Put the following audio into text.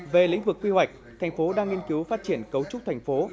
về lĩnh vực quy hoạch thành phố đang nghiên cứu phát triển cấu trúc thành phố